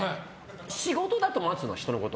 仕事だと待つの人のこと。